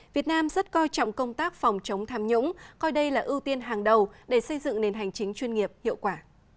việt nam rất coi trọng công tác phòng chống tham nhũng coi đây là ưu tiên hàng đầu để xây dựng nền hành chính chuyên nghiệp hiệu quả